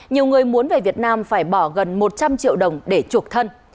nhiều người muốn về việt nam phải bỏ gần một trăm linh triệu đồng để chuộc thân